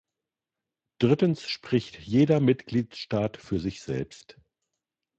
Drittens spricht jeder Mitgliedstaat für sich selbst.